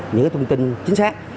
những cái thông tin chính xác